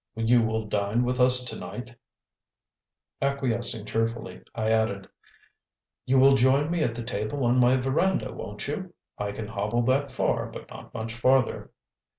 You will dine with us to night?" Acquiescing cheerfully, I added: "You will join me at the table on my veranda, won't you? I can hobble that far but not much farther."